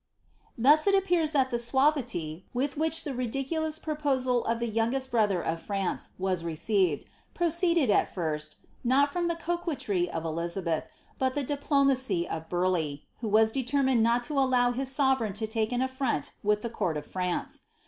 ^' Thus it appears that the suavity, Ih which the ridiculous proposal of the youngest brother of France m feceived, proceeded at first, not from the coquetry of Elizabeth, but Bfiplomacy of Baileigh, who was determined not to allow his sove igB to take an afTront with the court of France.